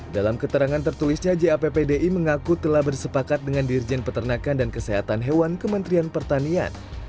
dalam keterangan tertulisnya jappdi mengaku telah bersepakat dengan dirjen peternakan dan kesehatan hewan kementerian pertanian